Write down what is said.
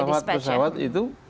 yang melepaskan pesawat itu